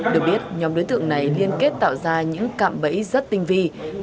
được biết nhóm đối tượng này liên kết tạo ra những cạm bẫy rất tinh vi